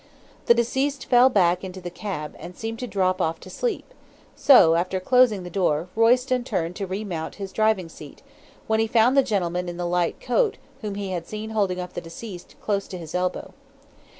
The deceased fell back into the cab, and seemed to drop off to sleep; so, after closing the door, Royston turned to remount his driving seat, when he found the gentleman in the light coat whom he had seen holding up the deceased, close to his elbow.